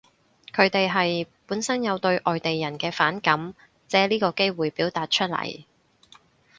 佢哋係，本身有對外地人嘅反感，借呢個機會表達出嚟